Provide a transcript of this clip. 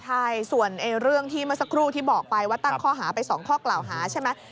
ใช่ส่วนเรื่องที่เมื่อสักครู่ที่บอกไปว่าตั้งข้อหาไป๒ข้อกล่าวหาใช่ไหม